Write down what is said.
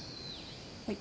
はい。